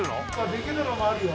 できるのもあるよ。